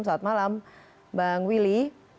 selamat malam bang willy